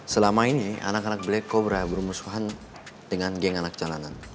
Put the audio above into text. selama ini anak anak black kobra bermusuhan dengan geng anak jalanan